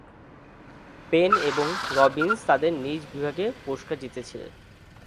Pen এবং Robbins তাঁদের নিজ বিভাগে পুরস্কার জিতেছিলেন।